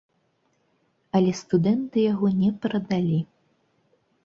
Але студэнты яго не прадалі.